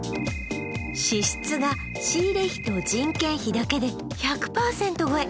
支出が仕入れ費と人件費だけで１００％超え